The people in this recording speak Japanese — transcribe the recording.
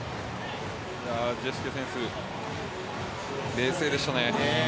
ジェシュケ選手、冷静でした。